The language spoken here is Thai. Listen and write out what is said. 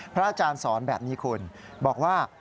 อาจารย์สอนแบบนี้คุณบอกว่า